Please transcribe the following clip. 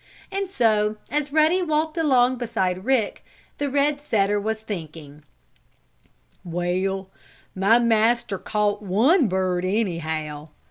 And so, as Ruddy walked along beside Rick, the red setter was thinking: "Well, my master caught one bird, anyhow.